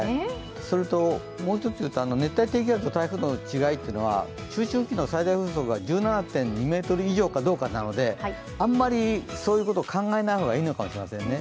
もう一ついうと、熱帯低気圧と台風の違いは中心付近の風速が１７．２メートル以上かどうかなのであんまりそういうことを考えない方がいいのかもしれませんね。